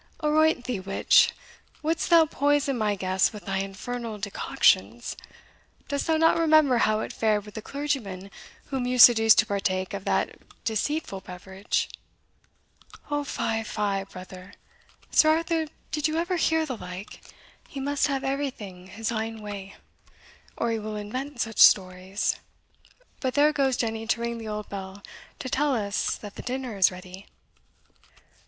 "Aroint thee, witch! wouldst thou poison my guests with thy infernal decoctions? Dost thou not remember how it fared with the clergyman whom you seduced to partake of that deceitful beverage?" "O fy, fy, brother! Sir Arthur, did you ever hear the like? he must have everything his ain way, or he will invent such stories But there goes Jenny to ring the old bell to tell us that the dinner is ready."